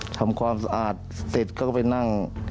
ทำความสะอาดเสร็จก็ไปนั่ง